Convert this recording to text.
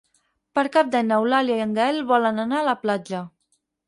Per Cap d'Any n'Eulàlia i en Gaël volen anar a la platja.